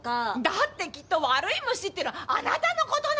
だってきっと悪い虫っていうのはあなたのことなんだもの！